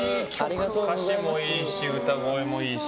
歌詞もいいし歌声もいいし。